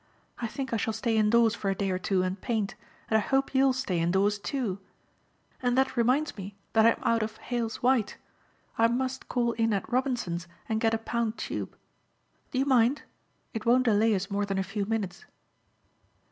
I think I shall stay indoors for a day or two and paint, and I hope you'll stay indoors, too. And that reminds me that I am out of Heyl's white. I must call in at Robinson's and get a pound tube. Do you mind? It won't delay us more than a few minutes."